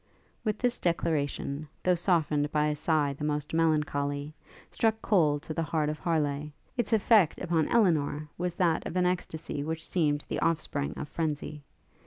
While this declaration, though softened by a sigh the most melancholy, struck cold to the heart of Harleigh, its effect upon Elinor was that of an extacy which seemed the offspring of frenzy.